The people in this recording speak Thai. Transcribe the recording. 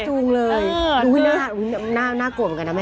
จูงเลยน่ากลัวเหมือนกันนะแม่